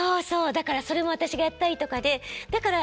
だからそれも私がやったりとかでだから。